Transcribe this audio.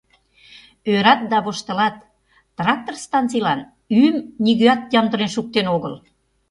Ӧрат да воштылат: трактор станцийлан ӱйым нигӧат ямдылен шуктен огыл.